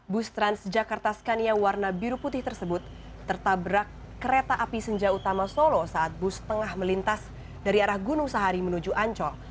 bus transjakarta scania warna biru putih tersebut tertabrak kereta api senja utama solo saat bus tengah melintas dari arah gunung sahari menuju ancol